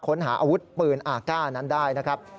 ค้นหาอาวุธปืนอาก้านั้นได้นะครับ